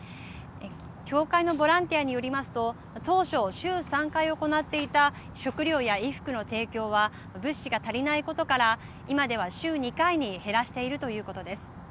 教会のボランティアによりますと当初、週３回行っていた食料や衣服の提供は物資が足りないことから今では週２回に減らしているということです。